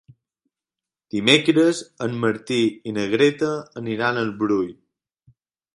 Dimecres en Martí i na Greta aniran al Brull.